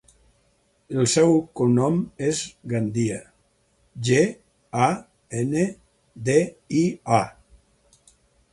El seu cognom és Gandia: ge, a, ena, de, i, a.